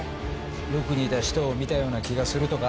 「よく似た人を見たような気がする」とか？